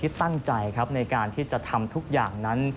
ที่ตั้งใจในการที่จะทำทุกอย่างนั้น